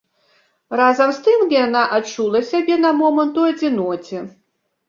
Разам з тым яна адчула сябе на момант у адзіноце.